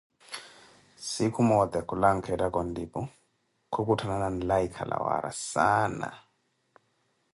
Siku moote kulanka ettaka onlipu, khukutthanana nlaika la waara saana